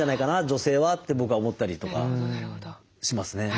女性はって僕は思ったりとかしますね。